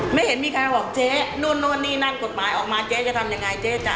ไม่เห็นมีการบอกเจ๊นู่นนู่นนี่นั่นกฎหมายออกมาเจ๊จะทำยังไงเจ๊จะ